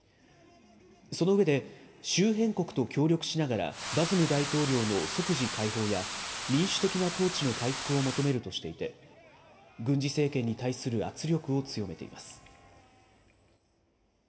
その上で、周辺国と協力しながら、バズム大統領の即時解放や、民主的な統治の回復を求めるとしていて、軍事政権に対する圧力を強めています。